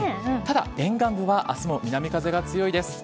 ただ、沿岸部はあすも南風が強いです。